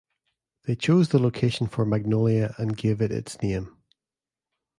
They chose the location for Magnolia and gave it its name.